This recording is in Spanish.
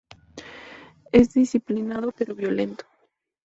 Es disciplinado pero violento.